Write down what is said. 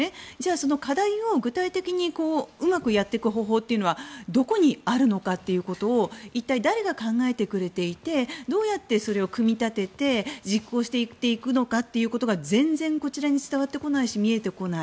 課題を具体的にうまくやっていく方法というのはどこにあるのかということを一体、誰が考えてくれていてそれをどうやって組み立てて実行していくのかということが全然こちらに伝わってこないし見えてこない。